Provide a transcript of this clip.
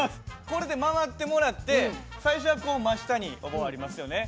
これで回ってもらって最初はこう真下にお盆ありますよね。